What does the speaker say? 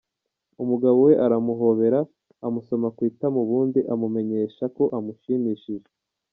umugabo we aramuhobera amusoma ku itama ubundi amumenyesha ko amushimishije